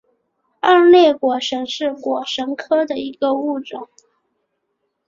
二裂果蝇是果蝇科的一个物种。